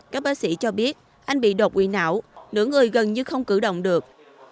các bác sĩ cho biết anh bị độc quỷ não nửa người gần như không cử động được